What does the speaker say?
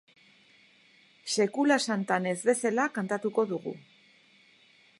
Sekula santan ez bezala kantatuko dugu.